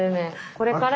これから。